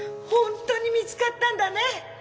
本当に見つかったんだね？